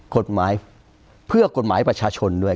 กฎหมายเพื่อกฎหมายประชาชนด้วย